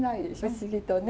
不思議とね。